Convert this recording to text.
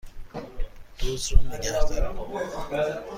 دزد را نگهدارید!